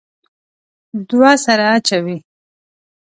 دوه سره اچوي.